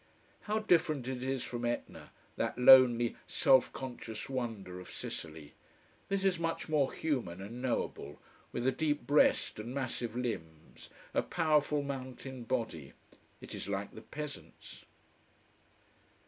How different it is from Etna, that lonely, self conscious wonder of Sicily! This is much more human and knowable, with a deep breast and massive limbs, a powerful mountain body. It is like the peasants.